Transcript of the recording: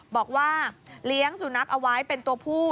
บอกว่าเลี้ยงสุนัขเอาไว้เป็นตัวผู้